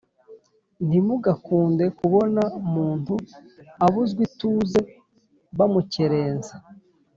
Ntimugakunde kubona muntuAbuzwa ituze bamukerensa